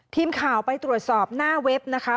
ทีมข่าวไปตรวจสอบหน้าเว็บนะคะ